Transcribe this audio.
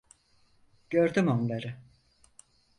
Gördüm onları.